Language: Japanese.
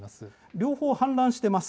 両方氾濫してます。